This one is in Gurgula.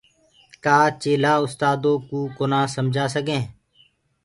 ڪآ چيلآ اُستآدو ڪو ڪونآ سمجآ سگي